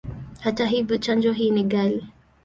Hata hivyo, chanjo hii ni ghali.